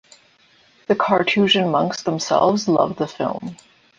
The Carthusian monks themselves loved the film.